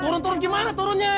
turun turun gimana turunnya